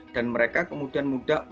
dan mereka kemudian mudah untuk